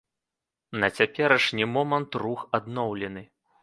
На цяперашні момант рух адноўлены.